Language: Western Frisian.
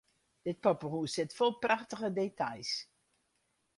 Dit poppehûs sit fol prachtige details.